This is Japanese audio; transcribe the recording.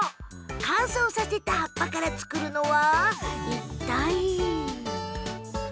乾燥させた葉っぱから作るのは。